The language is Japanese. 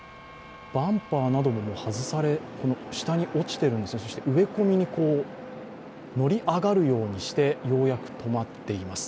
バンパーなども外され、下に落ちている、植え込みに乗り上がるようにしてようやく止まっています。